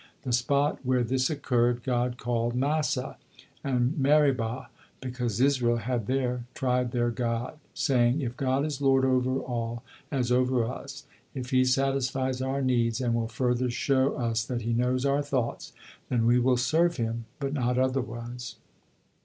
The spot where this occurred, God called Massah, and Meribah, because Israel had there tried their God, saying, "If God is Lord over all, as over us; if He satisfies our needs, and will further show us that He knows our thoughts, then will we serve Him, but not otherwise."